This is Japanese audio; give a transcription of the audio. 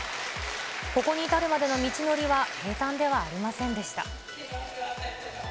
ここに至るまでの道のりは平たんではありませんでした。